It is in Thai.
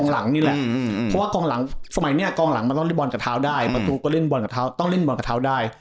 หลังนี่แหละเพราะว่ากองหลังสมัยนี้กองหลังมันต้องเล่นบอลกับเท้าได้ประตูก็เล่นบอลกับเท้าต้องเล่นบอลกับเท้าได้